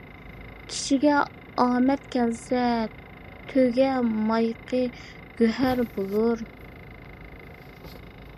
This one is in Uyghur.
كىشىگە ئامەت كەلسە، تۆگە مايىقى گۆھەر بولار.